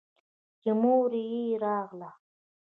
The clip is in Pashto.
چې مور يې راغله.